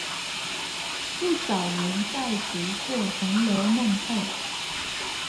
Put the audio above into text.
不少人在讀過紅樓夢後